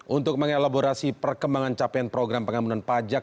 untuk mengelaborasi perkembangan capaian program pengampunan pajak